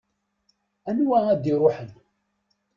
Anwa ad iruḥen?